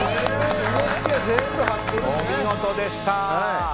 お見事でした！